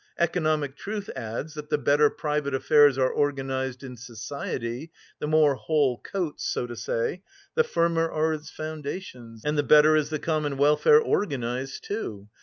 Economic truth adds that the better private affairs are organised in society the more whole coats, so to say the firmer are its foundations and the better is the common welfare organised too.